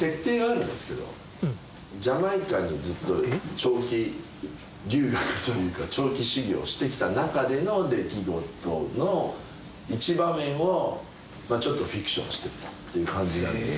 ジャマイカにずっと長期留学というか長期修業してきた中での出来事の一場面をちょっとフィクションにしてっていう感じなんですけども。